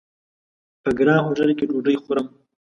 په ګران هوټل کې ډوډۍ خورم!